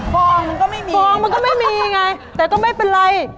ฟองมันก็ไม่มีฟองมันก็ไม่มีไงแต่ก็ไม่เป็นไร